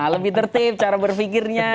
lebih tertib cara berpikirnya